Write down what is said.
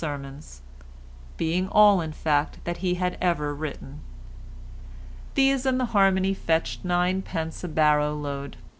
sermons—being all in fact that he had ever written. These and the Harmony fetched ninepence a barrow load.